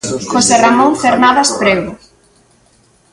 José Ramón Cernadas Prego.